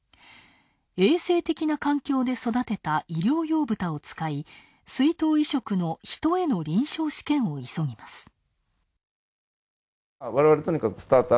衛生的な環境で育てた医療用ブタを使い膵島移植の人への臨床試験を急ぎます。